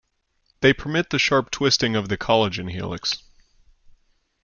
They permit the sharp twisting of the collagen helix.